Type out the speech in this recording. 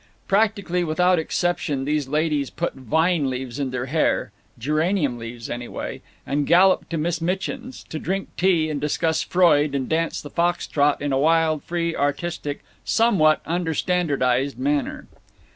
Practically without exception these ladies put vine leaves in their hair geranium leaves, anyway and galloped to Miss Mitchin's, to drink tea and discuss Freud and dance the fox trot in a wild, free, artistic, somewhat unstandardized manner.